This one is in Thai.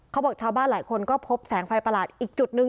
ชาวบ้านหลายคนก็พบแสงไฟประหลาดอีกจุดนึง